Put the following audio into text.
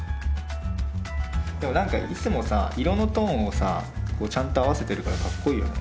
でも何かいつもさ色のトーンをちゃんと合わせてるからかっこいいよね。